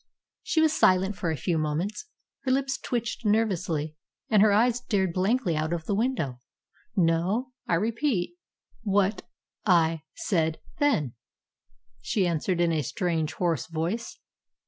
She was silent for a few moments. Her lips twitched nervously, and her eyes stared blankly out of the window. "No, I repeat what I said then," she answered in a strange hoarse voice.